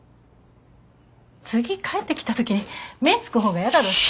次帰ってきたときに目につく方がやだろうし。